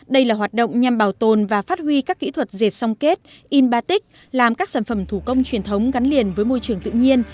đây là hoạt động nhằm bảo tồn và phát huy các kỹ thuật dệt song kết in batic làm các sản phẩm thủ công truyền thống gắn liền với môi trường tự nhiên